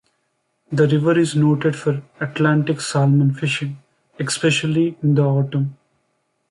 The river is noted for Atlantic Salmon fishing, especially in the autumn.